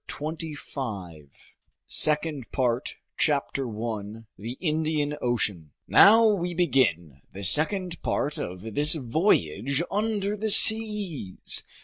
END OF THE FIRST PART SECOND PART CHAPTER 1 The Indian Ocean NOW WE BEGIN the second part of this voyage under the seas.